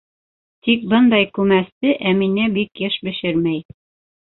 Тик бындай күмәсте Әминә бик йыш бешермәй.